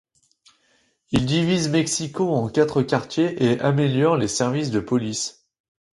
Il divise Mexico en quatre quartiers et améliore les services de police.